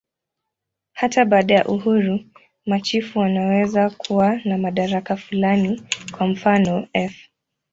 Hata baada ya uhuru, machifu wanaweza kuwa na madaraka fulani, kwa mfanof.